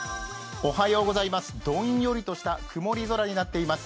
どんよりとした曇り空になっています。